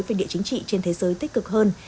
về địa chính trị trên thế giới tích cực hơn